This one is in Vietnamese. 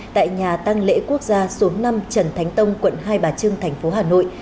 tại nhà tăng lễ quốc gia số năm trần thánh tông quận hai bà trưng thành phố hà nội